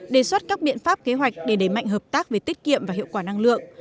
đề xuất các biện pháp kế hoạch để đẩy mạnh hợp tác về tiết kiệm và hiệu quả năng lượng